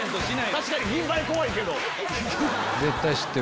確かに銀蝿怖いけど。